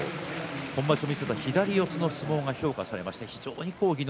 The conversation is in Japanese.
今場所見せた左四つの相撲が評価されまして非常に技能